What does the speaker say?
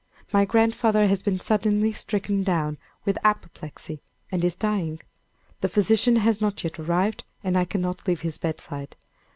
My grandfather has been suddenly stricken down with apoplexy, and is dying. The physician has not yet arrived, and I cannot leave his bedside.